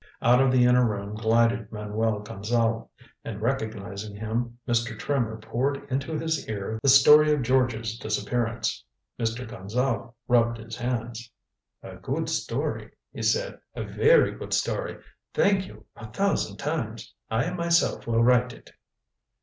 Out of the inner room glided Manuel Gonzale, and recognizing him, Mr. Trimmer poured into his ear the story of George's disappearance. Mr. Gonzale rubbed his hands. "A good story," he said. "A very good story. Thank you, a thousand times. I myself will write it."